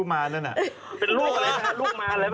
มันน่ากลัว